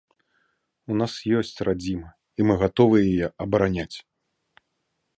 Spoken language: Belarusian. У нас ёсць радзіма і мы гатовы яе абараняць.